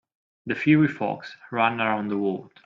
The fiery fox ran around the world.